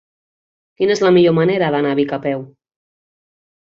Quina és la millor manera d'anar a Vic a peu?